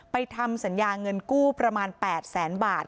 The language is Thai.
ทำสัญญาเงินกู้ประมาณ๘แสนบาท